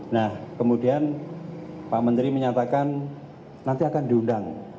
nah kemudian pak menteri menyatakan nanti akan diundang